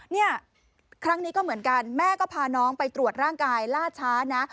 เนี่ยครั้งนี้ก็เหมือนกันแม่ก็พาน้องไปตรวจร่างกายล่าช้านะ